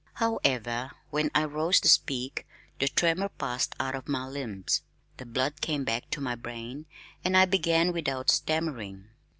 However, when I rose to speak, the tremor passed out of my limbs, the blood came back to my brain, and I began without stammering.